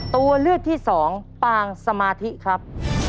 ตัวเลือกที่สองปางสมาธิครับ